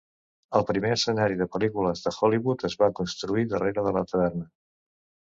El primer escenari de pel·lícules de Hollywood es va construir darrere de la taverna.